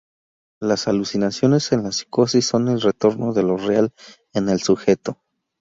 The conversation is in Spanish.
Las alucinaciones en la psicosis son el retorno de Lo Real en el Sujeto.